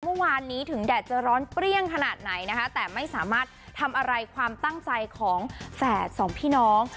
เมื่อวานนี้ถึงแดดจะร้อนเปรี้ยงขนาดไหนนะคะแต่ไม่สามารถทำอะไรความตั้งใจของแฝดสองพี่น้อง